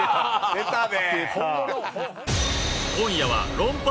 出たで！